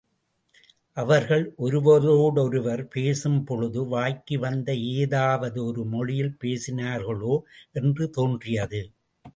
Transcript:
அவர்கள் ஒருவரோடொருவர் பேசும் பொழுது, வாய்க்கு வந்த எதாவது ஒரு மொழியில் பேசினார்களோ, என்று தோன்றியது.